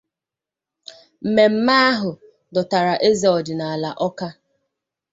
Mmemme ahụ dọtara eze ọdịnala Awka